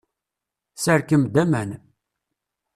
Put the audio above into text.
Serkem-d aman.